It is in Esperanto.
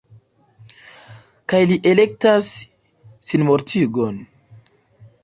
Kaj li elektas sinmortigon.